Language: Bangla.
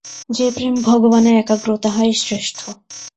যে প্রেম ভগবানে একাগ্র, তাহাই শ্রেষ্ঠ।